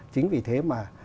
chính vì thế mà